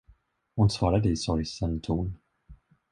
Hon svarade i sorgsen ton.